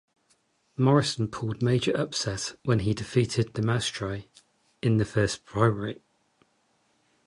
Morrison pulled a major upset when he defeated Maestri in the first primary.